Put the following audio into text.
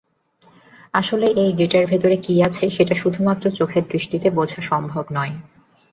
আসলে এই ডেটার ভেতরে কি আছে সেটা শুধুমাত্র চোখের দৃষ্টিতে বোঝা সম্ভব নয়।